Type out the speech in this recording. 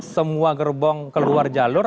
semua gerbong keluar jalur